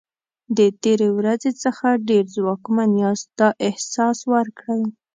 د تېرې ورځې څخه ډېر ځواکمن یاست دا احساس ورکړئ.